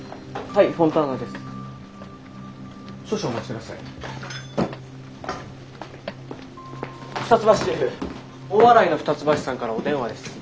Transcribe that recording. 大洗の二ツ橋さんからお電話です。